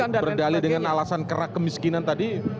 anda berdali dengan alasan kerak kemiskinan tadi